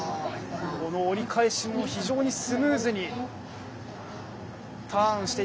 この折り返しも非常にスムーズにターンしていきました。